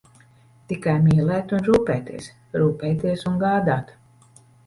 Tikai mīlēt un rūpēties, rūpēties un gādāt.